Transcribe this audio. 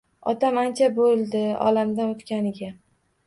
Otam ancha bo`ldi olamdan o`tganiga